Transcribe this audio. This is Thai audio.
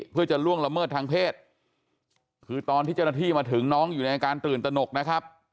เพื่อจะล่วงละเมิดทางเพศคือตอนที่เจ้าหน้าที่มาถึงน้องอยู่ในอาการตื่นตนกนะครับ